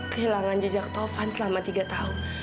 kehilangan jejak taufan selama tiga tahun